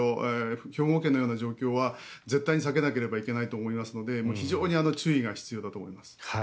兵庫県のような状況は絶対に避けなければいけないと思いますので非常に注意が必要だと思います。